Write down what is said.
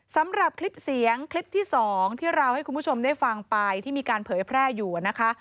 สำหรับคลิปเสียงคลิปที่๒ที่เราให้คุณผู้ชมได้ฟังไปที่มีการเผยแพร่อยู่นะคะ